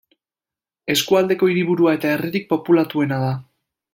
Eskualdeko hiriburua eta herririk populatuena da.